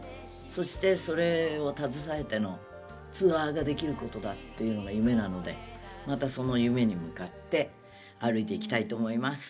そしてそれを携えてのツアーができることだっていうのが夢なのでまたその夢に向かって歩いていきたいと思います。